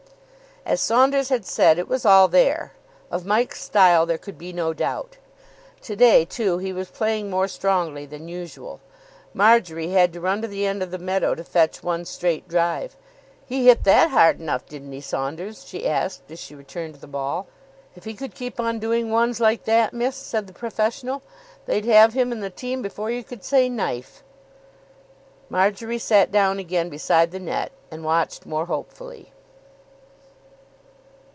As Saunders had said, it was all there. Of Mike's style there could be no doubt. To day, too, he was playing more strongly than usual. Marjory had to run to the end of the meadow to fetch one straight drive. "He hit that hard enough, didn't he, Saunders?" she asked, as she returned the ball. "If he could keep on doing ones like that, miss," said the professional, "they'd have him in the team before you could say knife." Marjory sat down again beside the net, and watched more hopefully.